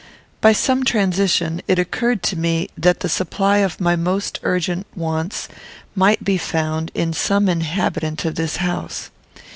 By some transition it occurred to me that the supply of my most urgent wants might be found in some inhabitant of this house.